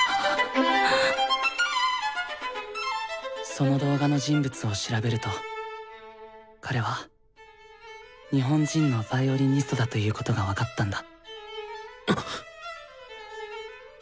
その動画の人物を調べると彼は日本人のヴァイオリニストだということが分かったんだ。